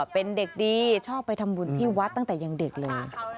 เป็นเด็กดีชอบไปทำบุญที่วัดตั้งแต่ยังเด็กเลย